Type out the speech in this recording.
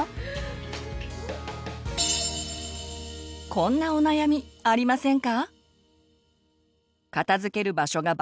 こんなお悩みありませんか？